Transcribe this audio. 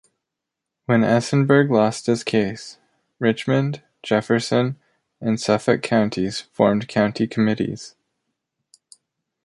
When Essenberg lost this case, Richmond, Jefferson, and Suffolk Counties formed county committees.